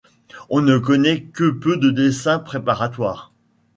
On ne connaît que peu de dessins préparatoires.